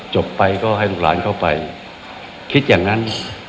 จบไปก็ให้ลูกหลานเข้าไปคิดอย่างนั้น